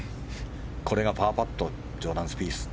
これがパーパットジョーダン・スピース。